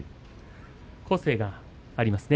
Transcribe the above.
個性がありますね。